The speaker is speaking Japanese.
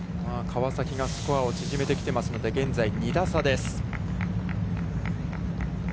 川崎がスコアを縮めてきていますので、現在、２打差です。